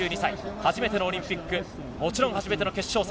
初めてのオリンピック、初めての決勝戦。